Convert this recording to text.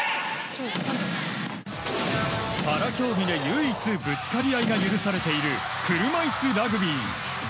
パラ競技で唯一ぶつかり合いが許されている車いすラグビー。